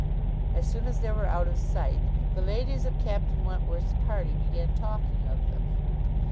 As soon as they were out of sight, the ladies of Captain Wentworth's party began talking of them.